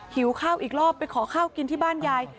หิวข้าวอีกรอบไปขอข้าวกินที่บ้านยาย